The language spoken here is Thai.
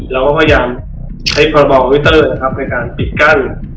เราก็พยายามใช้พระบอกกวิทเตอร์ในการปิดกั้น